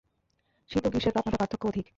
শীত ও গ্রীষ্মের তাপমাত্রার পার্থক্য অধিক।